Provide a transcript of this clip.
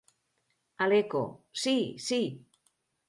El Eco: ¡Sí, sí!